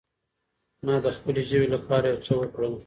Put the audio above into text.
ما د خپلې ژبې لپاره يو څه وکړل.